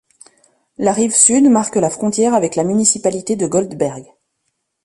La rive sud marque la frontière avec la municipalité de Goldberg.